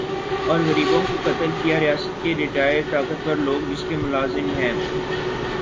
اور غریبوں کو قتل کیا ریاست کے ریٹائر طاقتور لوگ جس کے ملازم ھیں